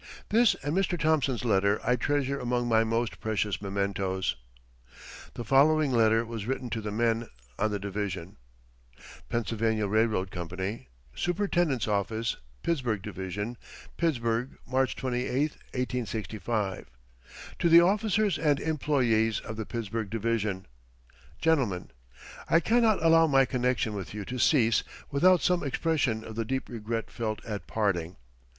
This and Mr. Thomson's letter I treasure among my most precious mementos. The following letter was written to the men on the Division: PENNSYLVANIA RAILROAD COMPANY SUPERINTENDENT'S OFFICE, PITTSBURGH DIVISION PITTSBURGH, March 28, 1865 To the Officers and Employees of the Pittsburgh Division GENTLEMEN: I cannot allow my connection with you to cease without some expression of the deep regret felt at parting.